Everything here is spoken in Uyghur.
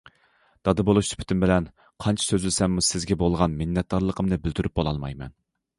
دادا بولۇش سۈپىتىم بىلەن قانچە سۆزلىسەممۇ سىزگە بولغان مىننەتدارلىقىمنى بىلدۈرۈپ بولالمايمەن.